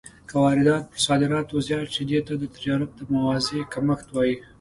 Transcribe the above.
که واردات پر صادراتو زیات شي، دې ته د تجارت د موازنې کمښت وايي.